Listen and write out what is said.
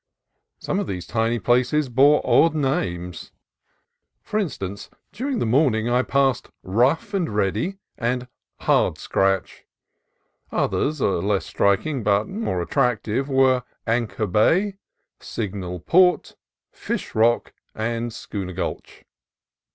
Some of these tiny places bore odd names : for instance, during the morning I passed Rough and Ready, and Hard Scratch. Others, less striking but more attractive, were Anchor Bay, Signal Port, Fish Rock, and Schooner Gulch.